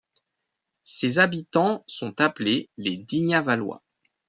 Ses habitants sont appelés les Dignavallois.